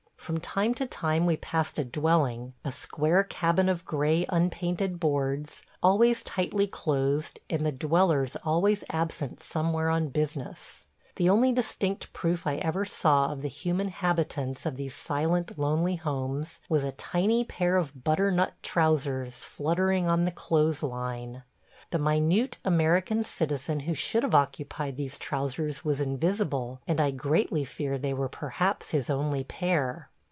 From time to time we passed a dwelling, a square cabin of gray unpainted boards, always tightly closed and the dwellers always absent somewhere on business. The only distinct proof I ever saw of the human habitance of these silent, lonely homes was a tiny pair of butternut trousers fluttering on the clothes line. The minute American citizen who should have occupied these trousers was invisible, and I greatly fear they were perhaps his only pair.